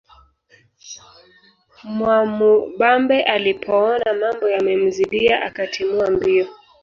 Mwamubambe alipoona mambo yamemzidia akatimua mbio